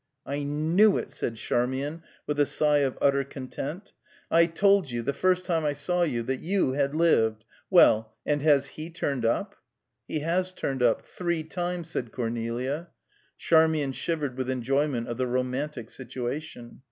"I knew it," said Charmian, with a sigh of utter content, "I told you, the first time I saw you, that you had lived. Well: and has he turned up?" "He has turned up three times," said Cornelia. Charmian shivered with enjoyment of the romantic situation.